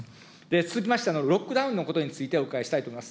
続きまして、ロックダウンのことについてお伺いしたいと思います。